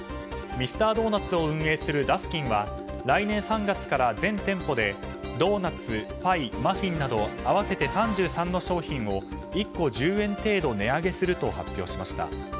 ミスタードーナツを運営するダスキンは来年３月から全店舗でドーナツ、パイ、マフィンなど合わせて３３の商品を１個１０円程度値上げすると発表しました。